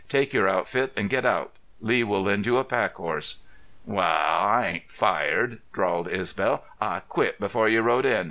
"Take your outfit and get out. Lee will lend you a pack horse." "Wal, I ain't fired," drawled Isbel. "I quit before you rode in.